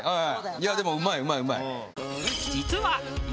いやでもうまいうまいうまい。